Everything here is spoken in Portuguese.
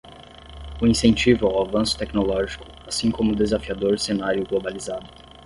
O incentivo ao avanço tecnológico, assim como o desafiador cenário globalizado